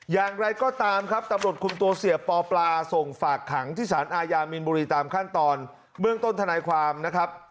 อย่างไรก็ตามครับตำรวจคุมตัวเสียปอปลาส่งฝากขังที่สารอาญามีนบุรีตามขั้นตอนเบื้องต้นทนายความนะครับ